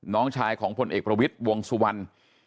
น้องชายของพลเอกประวิทย์วงสุวรรณ